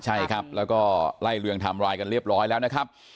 ใช่ครับแล้วก็ไล่เลียงไทม์ไลน์กันเรียบร้อยแล้วนะครับ